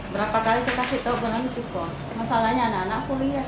berapa kali saya kasih tahu masalahnya anak anak lihat